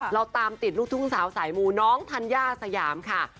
เราตามติดลูกทุ่งสาวสายมูน้องธัญญาสยามค่ะ